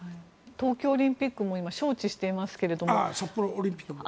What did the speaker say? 冬季オリンピックも招致していますけど。